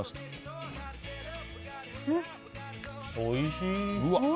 おいしい！